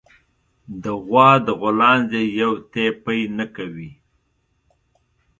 د غوا د غولانځې يو تی پئ نه کوي